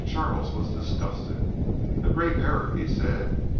Charles was disgusted. "A great error," he said.